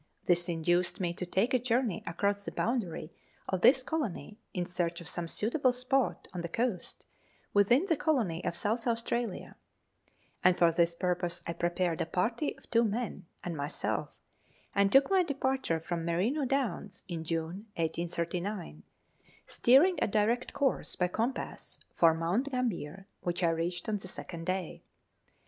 This induced me to take a journey across the boundary of this colony in search of some suitable spot on the coast within the colony of South Australia ; and for this purpose I prepared a party of two men and myself, and took my departure from Merino Downs in June 1839, steering a direct course by compass for Mount Gambler, which I reached on the second day.